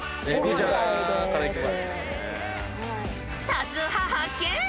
［多数派発見。